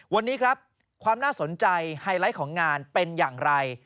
วันนี้ครับความน่าสนใจไฮไลท์ของงานเป็นอย่างไร